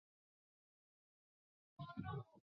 古奥德吕雄。